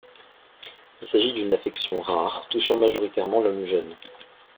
Il s'agit d'une affection rare, touchant majoritairement l'homme jeune.